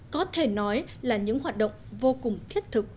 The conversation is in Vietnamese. có thể nói là những hoạt động vô cùng thiết thực